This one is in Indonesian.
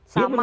sama gitu ya